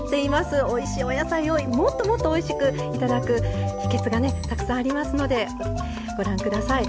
おいしいお野菜をもっともっとおいしく頂く秘けつがねたくさんありますのでご覧ください。